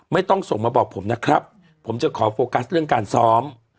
ไม่ต้องส่งมาบอกผมนะครับผมจะขอโฟกัสเรื่องการซ้อม